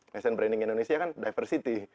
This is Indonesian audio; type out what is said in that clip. nation braining indonesia kan diversity